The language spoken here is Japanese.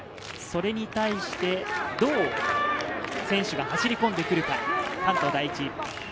それに対して、どう選手が走り込んでくるか、関東第一。